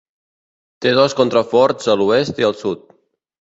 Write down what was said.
Té dos contraforts a l'oest i al sud.